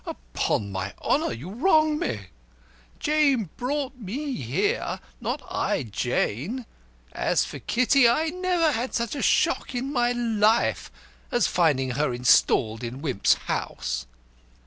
"Upon my honour, you wrong me. Jane brought me here, not I Jane. As for Kitty, I never had such a shock in my life as at finding her installed in Wimp's house."